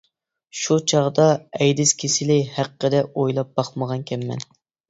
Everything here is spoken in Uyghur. شۇ چاغدا ئەيدىز كېسىلى ھەققىدە ئويلاپ باقمىغانىكەنمەن.